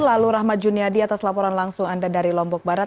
lalu rahmat juniadi atas laporan langsung anda dari lombok barat